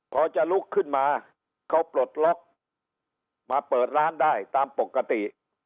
พอจะลุกขึ้นมาเขาปลดล็อกมาเปิดร้านได้ตามปกติ